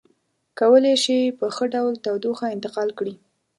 کولی شي په ښه ډول تودوخه انتقال کړي.